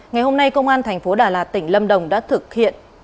ngày hôm nay công an tp đà lạt tỉnh lâm đồng đã thực hiện